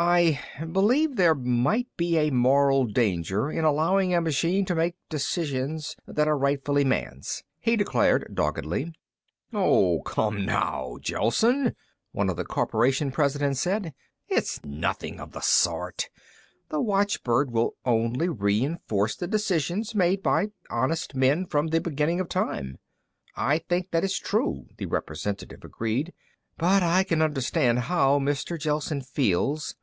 "I believe there might be a moral danger in allowing a machine to make decisions that are rightfully Man's," he declared doggedly. "Oh, come now, Gelsen," one of the corporation presidents said. "It's nothing of the sort. The watchbird will only reinforce the decisions made by honest men from the beginning of time." "I think that is true," the representative agreed. "But I can understand how Mr. Gelsen feels.